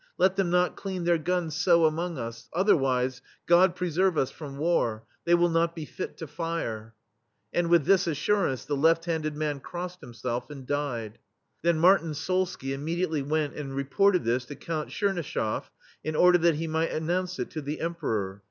Let them not clean their guns so among us; otherwise — God preserve us from war — they will not be fit to fire/* And with this assur ance the left handed man crossed him self and died. Then Martyn Solsky immediately went and reported this to Count TchernyschefF in order that he might announce it to the Emperor.